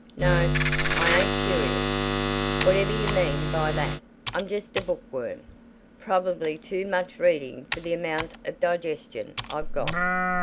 No, I ain't curious whatever you mean by that! I'm just a bookworm. Probably too much reading for the amount of digestion I've got.